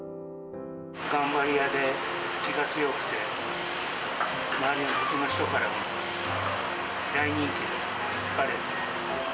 頑張り屋で気が強くて、周りの人からも大人気で、好かれて。